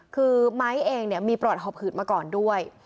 คือไม้เองมีประวัติภอบขืดมาก่อนด้วย